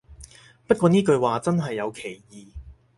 不過呢句話真係有歧義